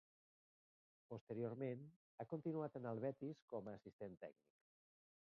Posteriorment, ha continuat en el Betis com a assistent tècnic.